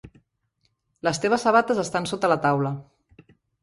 Les teves sabates estan sota la taula.